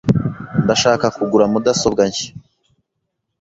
Ndashaka kugura mudasobwa nshya .